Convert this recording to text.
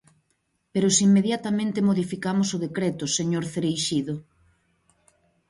¡Pero se inmediatamente modificamos o decreto, señor Cereixido!